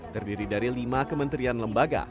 terdiri dari lima kementerian lembaga